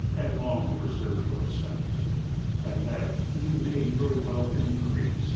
And long preserve your sight. I And that he may your wealth increase